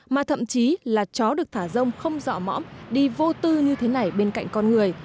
mà thậm chí là chó được thả rông không dọa mõm đi vô tư như thế này bên cạnh con người